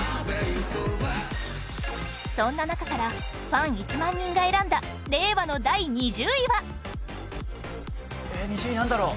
そんな中からファン１万人が選んだ令和の第２０位は宮田：２０位、なんだろう？